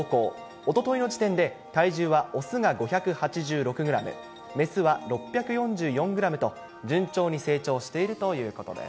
おとといの時点で体重は雄が５８６グラム、雌は６４４グラムと、順調に成長しているということです。